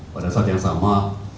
pada saat yang sama